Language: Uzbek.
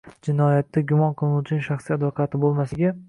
Jinoyatda gumon qilinuvchining shaxsiy advokati bo‘lmasligi